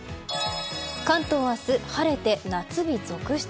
関東明日、晴れて夏日続出。